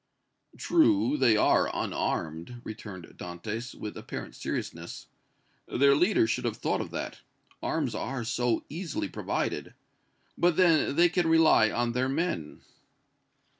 "True, they are unarmed," returned Dantès, with apparent seriousness. "Their leaders should have thought of that arms are so easily provided but then they can rely on their men!"